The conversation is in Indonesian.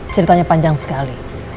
ceritanya panjang sekali